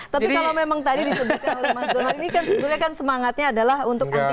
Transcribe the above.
tapi kalau memang tadi disebutkan oleh mas donal ini kan sebenarnya semangatnya adalah untuk anti korupsi